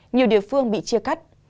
nhiều địa phương bị chia cắt